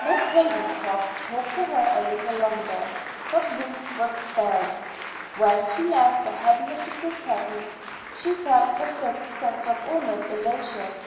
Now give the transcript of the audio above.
Miss Ravenscroft talked to her a little longer, but Ruth was firm. When she left the head mistress's presence she felt a certain sense almost of elation.